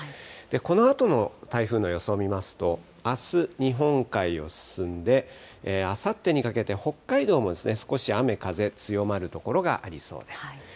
このあとの台風の予想を見ますと、あす、日本海を進んで、あさってにかけて北海道も少し雨風、強まる所がありそうです。